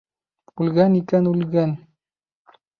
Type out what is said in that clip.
Үлгән икән үлгән!